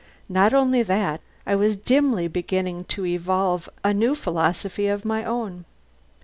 Not only that, I was dimly beginning to evolve a new philosophy of my own.